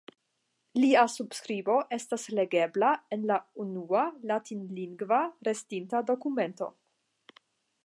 Lia subskribo estas legebla en la unua latinlingva restinta dokumento.